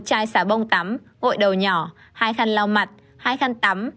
một chai xá bông tắm gội đầu nhỏ hai khăn lau mặt hai khăn tắm